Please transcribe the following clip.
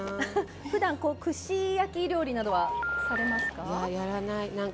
ふだん、串焼き料理などはされますか？